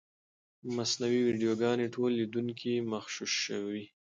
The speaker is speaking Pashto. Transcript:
مصنوعي ویډیوګانې ټول لیدونکي مغشوشوي نه.